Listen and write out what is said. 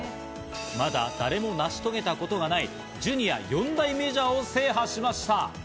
まだ誰も成し遂げたことがないジュニア４大メジャーを制覇しました。